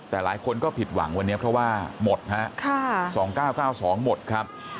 แต่หลายคนก็ผิดหวังวันนี้เพราะว่าหมดฮะ๒๙๙๒หมดครับ